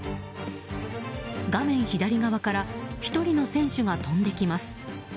画面左側から１人の選手が飛んできます。